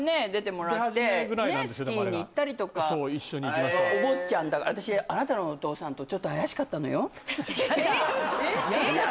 あれがそう一緒に行きましたお坊ちゃんだから私あなたのお父さんとちょっと怪しかったのよ・えっ？